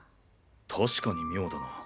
確かに妙だな。